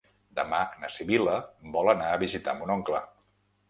Demà na Sibil·la vol anar a visitar mon oncle.